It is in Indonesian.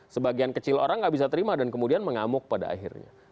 sebagian kecil orang nggak bisa terima dan kemudian mengamuk pada akhirnya